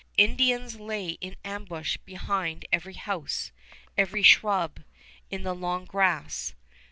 Indians lay in ambush behind every house, every shrub, in the long grass.